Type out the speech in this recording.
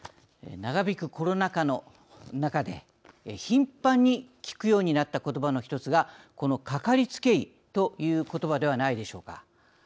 長引くコロナ禍の中で頻繁に聞くようになったことばの一つがこの、かかりつけ医ということばではないでしょうか。